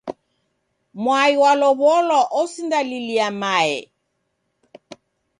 Mwai w'alow'olwa osindalilia mae